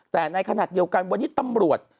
แต่ในขณะเดียวกันวันนี้ตำรวจ